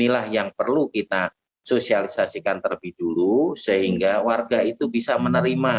jadi perlu kita sosialisasikan terlebih dulu sehingga warga itu bisa menerima